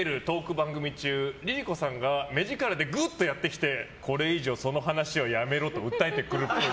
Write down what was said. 番組中ＬｉＬｉＣｏさんが目力でグッとやってきてこれ以上その話はやめろって訴えてくるっぽい。